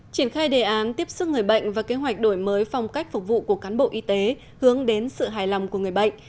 triển khai đề án tiếp sức người bệnh và kế hoạch đổi mới phong cách phục vụ của cán bộ y tế hướng đến sự hài lòng của người bệnh